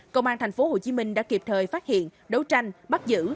công an thành phố hồ chí minh đã kịp thời phát hiện đấu tranh bắt giữ